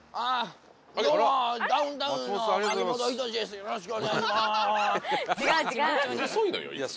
・よろしくお願いします。